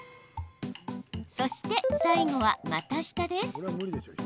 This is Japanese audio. そして、最後は股下です。